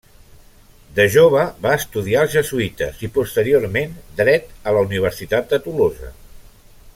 De jove va estudiar als jesuïtes, i posteriorment dret a la Universitat de Tolosa.